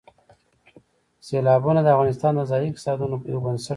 سیلابونه د افغانستان د ځایي اقتصادونو یو بنسټ دی.